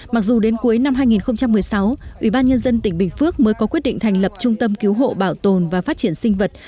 mặc dù đến cuối năm hai nghìn một mươi sáu ủy ban nhân dân tỉnh bình phước mới có quyết định thành lập trung tâm cứu hộ bảo tồn và phát triển sinh vật